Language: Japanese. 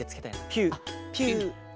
ピューピュー。